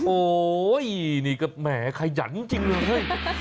โอ้ยนี่แม่ขยันจริงเลยเฮ้ย